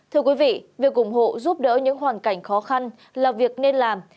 thưa quý vị việc ủng hộ giúp đỡ những hoàn cảnh khó khăn là việc nên làm